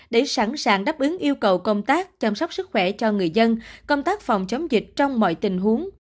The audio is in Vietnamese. để sẵn sàng đáp ứng yêu cầu công tác chăm sóc sức khỏe cho người dân công tác phòng chống dịch trong mọi tình huống